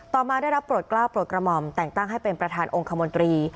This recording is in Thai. มาได้รับโปรดกล้าวโปรดกระหม่อมแต่งตั้งให้เป็นประธานองค์คมนตรี